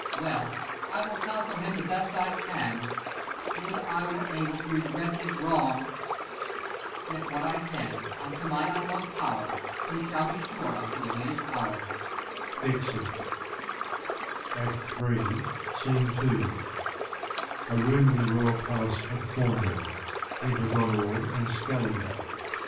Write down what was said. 25 Well, I will counsel him the best I can : Would I were able to redress his wrong, Yet what I can, unto my utmost power, He shall be sure of to the latest hour.